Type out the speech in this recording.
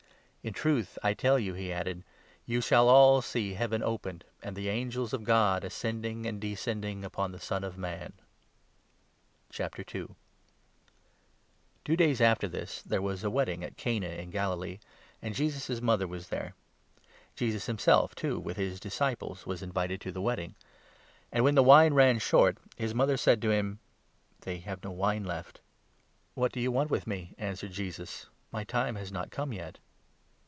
In truth I tell you, "he added, "you shall 51 all see Heaven open, and ' the angels of God ascending and descending ' upon the Son of Man." II. — THE WORK IN JUDAEA, GALILEE, AND SAMARIA. je«usat;i Two days after this there was a wedding at i wedding at Cana in Galilee, and Jesus' mother was there. cana. Jesus himself, too, with his disciples, was 2 invited to the wedding. And, when the wine ran short, his 3 mother said to him :" They have no wine left." "What do you want with me?" answered Jesus. "My 4 time has not come yet."